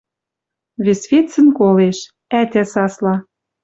Вес вецӹн колеш; ӓтя сасла...